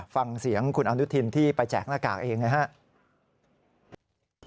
ฟังเสียงคุณอนุทินที่ไปแจกหน้ากากเองนะครับ